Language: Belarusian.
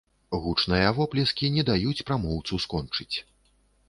Гучныя воплескі не даюць прамоўцу скончыць.